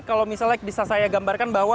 kalau misalnya bisa saya gambarkan bahwa